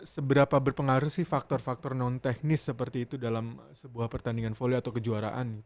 seberapa berpengaruh sih faktor faktor non teknis seperti itu dalam sebuah pertandingan volley atau kejuaraan